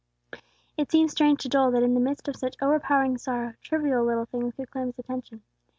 It seemed strange to Joel that, in the midst of such overpowering sorrow, trivial little things could claim his attention.